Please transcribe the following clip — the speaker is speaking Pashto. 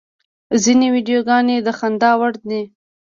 ځینې ویډیوګانې د خندا وړ دي.